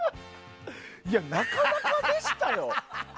なかなかでしたよ！